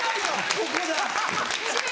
ここだ！